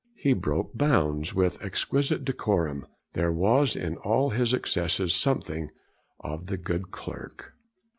He broke bounds with exquisite decorum. There was in all his excesses something of 'the good clerk.'